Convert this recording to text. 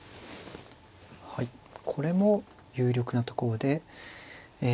はいこれも有力なところでえ